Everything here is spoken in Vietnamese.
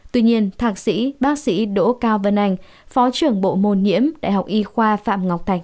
tuy nhiên thạc sĩ bác sĩ đỗ cao vân anh phó trưởng bộ môn nhiễm đại học y khoa phạm ngọc thạch